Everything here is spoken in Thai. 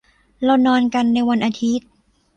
เรานอนกันในวันอาทิตย์